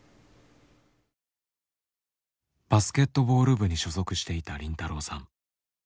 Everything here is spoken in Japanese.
バスケットボール部に所属していた凜太郎さん。